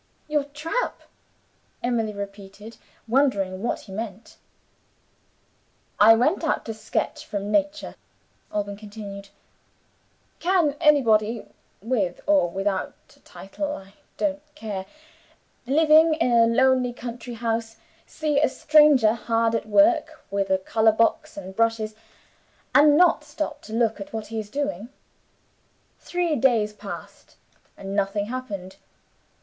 "Your trap?" Emily repeated, wondering what he meant. "I went out to sketch from Nature," Alban continued. "Can anybody (with or without a title, I don't care), living in a lonely country house, see a stranger hard at work with a color box and brushes, and not stop to look at what he is doing? Three days passed, and nothing happened.